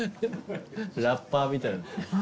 ラッパーみたい。